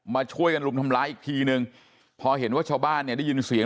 มาช่วยกันลุมทำร้ายอีกทีนึงพอเห็นว่าชาวบ้านเนี่ยได้ยินเสียง